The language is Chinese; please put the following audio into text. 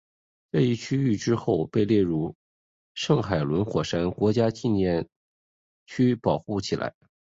这一区域之后被列入圣海伦火山国家纪念区保护起来。